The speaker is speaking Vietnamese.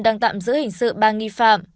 đang tạm giữ hình sự ba nghi phạm